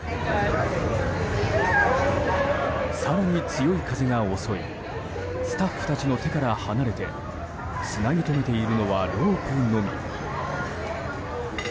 更に強い風が襲いスタッフたちの手から離れてつなぎとめているのはロープのみ。